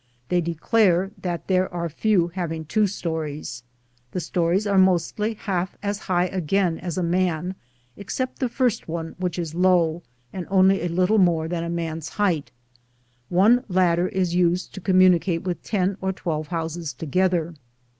They declare that there are few having two stories. The stories are mostly half as high again as a man, ex cept the first one, which is low, and only a little more than a man's height. One lad der is used to communicate with ten or twelve houses together.